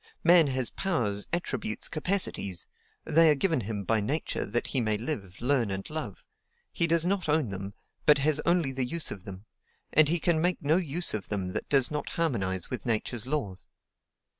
Man has powers, attributes, capacities; they are given him by Nature that he may live, learn, and love: he does not own them, but has only the use of them; and he can make no use of them that does not harmonize with Nature's laws.